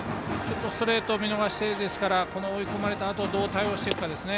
ストレートを見逃していますから追い込まれたあとどう対応するかです。